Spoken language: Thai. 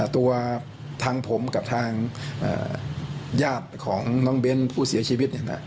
ตัวทางผมกับทางญาติของน้องเบ้นผู้เสียชีวิต